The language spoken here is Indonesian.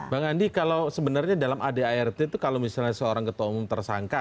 bang andi kalau sebenarnya dalam adart itu kalau misalnya seorang ketua umum tersangka